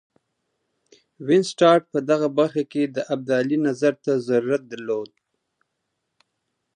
وینسیټارټ په دغه برخه کې د ابدالي نظر ته ضرورت درلود.